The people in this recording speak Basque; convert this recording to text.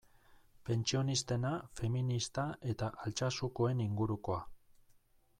Pentsionistena, feminista eta Altsasukoen ingurukoa.